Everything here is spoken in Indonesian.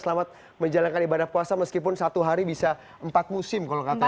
selamat menjalankan ibadah puasa meskipun satu hari bisa empat musim kalau katanya